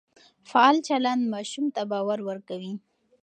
فعال چلند ماشوم ته باور ورکوي.